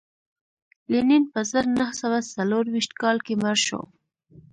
لینین په زر نه سوه څلرویشت کال کې مړ شو